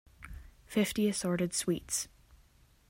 Fifty assorted sweets.